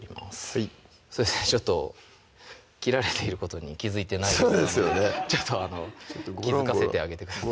はいちょっと切られていることに気付いてないようなのでちょっとあの気付かせてあげてください